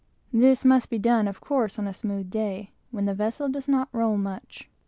This must be done, of course, on a smooth day, when the vessel does not roll much.